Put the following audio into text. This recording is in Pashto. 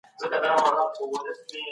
په سوله او امن کي ژوند وکړئ.